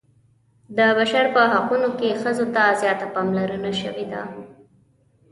د بشر په حقونو کې ښځو ته زیاته پاملرنه شوې ده.